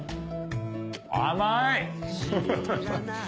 甘い！